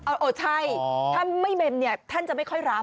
เออใช่ถ้าไม่เมมเนี่ยท่านจะไม่ค่อยรับ